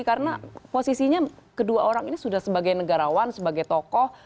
karena posisinya kedua orang ini sudah sebagai negarawan sebagai tokoh